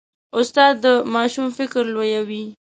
استاد د ماشوم فکر لویوي.